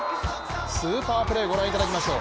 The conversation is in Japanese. スーパープレーご覧いただきましょう。